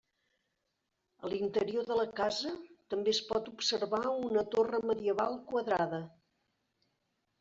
A l'interior de la casa també es pot observar una torre medieval quadrada.